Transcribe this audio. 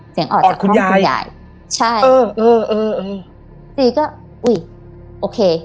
เสียงออดคุณยายใช่เออเออเออเออจีก็อุ้ยโอเค